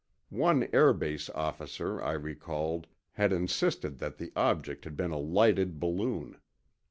One air base officer, I recalled, had insisted that the object had been a lighted balloon.